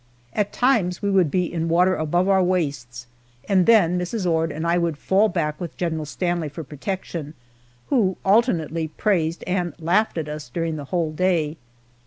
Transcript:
At times we would be in water above our waists, and then Mrs. Ord and I would fall back with General Stanley for protection, who alternately praised and laughed at us during the whole day.